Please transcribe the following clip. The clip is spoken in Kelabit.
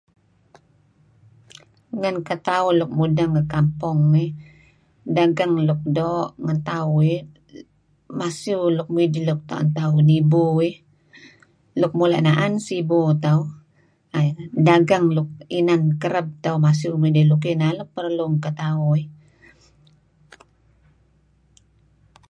Ngen ketauh luk mudeng ngi kampong ngih dagang luk doo' ngen tauh iih masiew luk midih luk tuen tauh nibu iih luk mula' naan sibu tauh. Dagang luk inan kereb tauh masiew midih luk ineh perlu ngen kitauh iih.